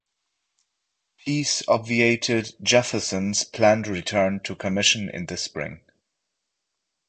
Peace obviated "Jefferson's" planned return to commission in the spring.